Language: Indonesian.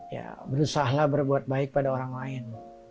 ya berusahalah berbuat baik pada orang lain